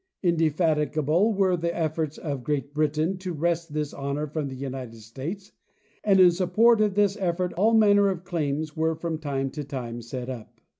Inde fatigable were the efforts of Great Britain to wrest this honor from the United States, and in support of this effort all manner of claims were from time to time set up.